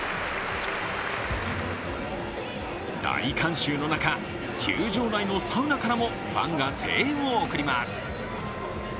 大観衆の中、球場内のサウナからもファンが声援を送ります。